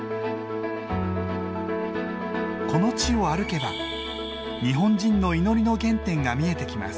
この地を歩けば日本人の祈りの原点が見えてきます。